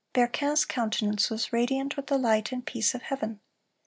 Berquin's countenance was radiant with the light and peace of heaven.